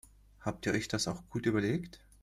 Habt ihr euch das auch gut überlegt?